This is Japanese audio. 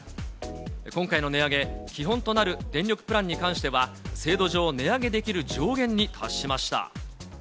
今回の値上げ、基本となる電力プランに関しては、制度上値上げできる上限に達しました。